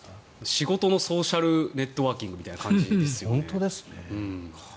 仕事もソーシャルネットワーキングみたいな感じですよね。